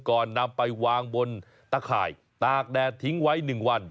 ก่อนนำไปวางบนตะข่ายตากแดดทิ้งไว้๑วัน